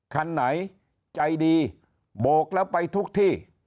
คันไหนใจดีโบกแล้วไปทุกที่